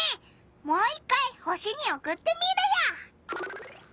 もう一回星におくってみるよ！